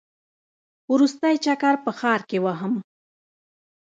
وروستی چکر په ښار کې وهم.